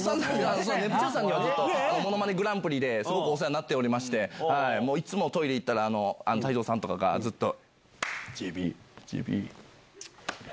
ネプチューンさんはものまねグランプリですごくお世話になっておりまして、いつもトイレ行ったら、泰造さんとかが、ずっとＪＰ。